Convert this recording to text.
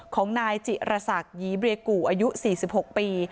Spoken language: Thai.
ของนายจิระศักยีเบรกุอายุ๔๖ปี